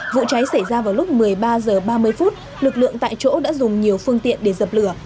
vụ cháy xảy ra vào lúc một mươi ba h ba mươi lực lượng tại chỗ đã dùng nhiều phương tiện để giải quyết